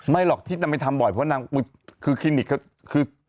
ไม่หรอกที่จะไม่ทำบ่อยเพราะนางของคลินิคเขา